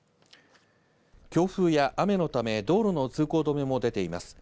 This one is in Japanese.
強風や雨のため、道路の通行止めも出ています。